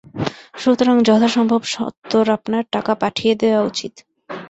সুতরাং যথাসম্ভব সত্বর আপনার টাকা পাঠিয়ে দেওয়া উচিত।